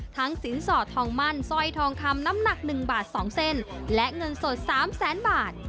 สินสอดทองมั่นสร้อยทองคำน้ำหนัก๑บาท๒เส้นและเงินสด๓แสนบาท